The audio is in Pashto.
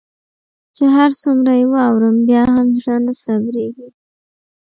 چي هر څومره يي واورم بيا هم زړه نه صبریږي